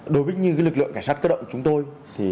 đối với như lực lượng cảnh sát cơ động chúng tôi